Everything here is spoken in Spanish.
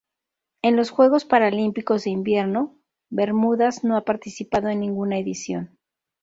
En los Juegos Paralímpicos de Invierno Bermudas no ha participado en ninguna edición.